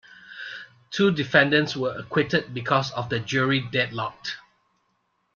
Two defendants were acquitted because the jury deadlocked.